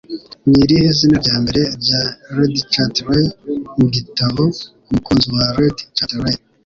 Ni irihe zina rya mbere rya Lady Chatterley mu gitabo “Umukunzi wa Lady Chatterley”?